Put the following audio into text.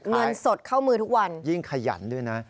เงินสดเข้ามือทุกวันยิ่งขยันด้วยนะ